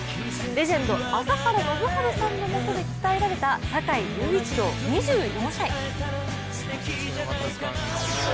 レジェンド・朝原宣治さんのもとで鍛えられた坂井隆一郎２４歳。